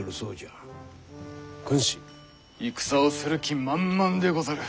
戦をする気満々でござる。